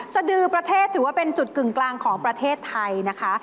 สดือประเทศถือว่าเป็นจุดกึ่งกลางของประเทศไทยนะคะ